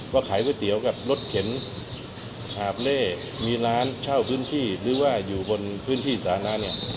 ขายก๋วยเตี๋ยวกับรถเข็นหาบเล่มีร้านเช่าพื้นที่หรือว่าอยู่บนพื้นที่สาธารณะเนี่ย